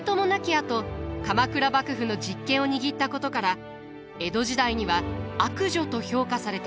あと鎌倉幕府の実権を握ったことから江戸時代には悪女と評価されていました。